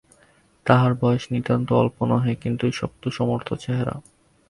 তাঁহার বয়স নিতান্ত অল্প নহে, কিন্তু শক্তসমর্থ চেহারা।